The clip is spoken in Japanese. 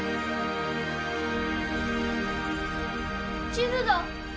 地図だ。